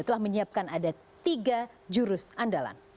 telah menyiapkan ada tiga jurus andalan